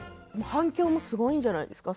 反響もすごいんじゃないですか？